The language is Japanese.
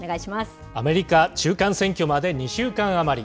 アメリカ中間選挙まで２週間余り。